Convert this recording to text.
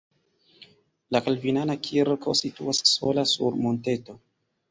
La kalvinana kirko situas sola sur monteto.